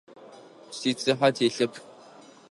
Сицыхьэ телъэп.